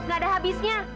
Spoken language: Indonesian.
nggak ada habisnya